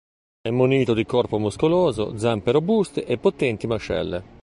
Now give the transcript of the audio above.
È munito di corpo muscoloso, zampe robuste e potenti mascelle.